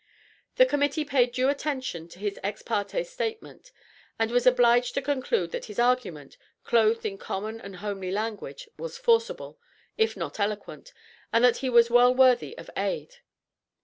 The Committee paid due attention to his ex parte statement, and was obliged to conclude that his argument, clothed in common and homely language, was forcible, if not eloquent, and that he was well worthy of aid.